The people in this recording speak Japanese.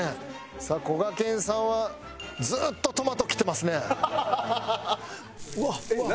さあこがけんさんはずっとトマト切ってますね。